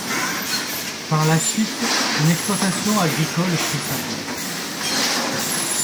Par la suite, une exploitation agricole prit sa place.